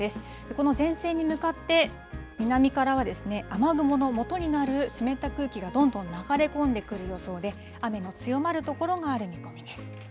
その前線に向かって南からはですね雨雲のもとになる湿った空気がどんどん流れ込んでくる予想で雨の強まる所もある見込みです。